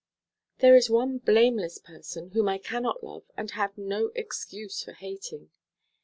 There is one blameless person whom I cannot love and have no excuse for hating.